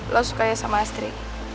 lo sukanya sama astri